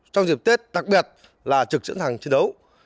trong dịp tết đặc biệt là trực sẵn sàng chiến đấu